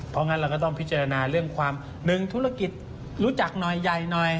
เพราะงั้นเราก็ต้องพิจารณาเรื่องความหนึ่งธุรกิจรู้จักหน่อยใหญ่หน่อย